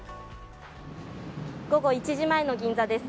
午後１時前の銀座です。